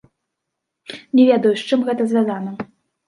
Не ведаю, з чым гэта звязана.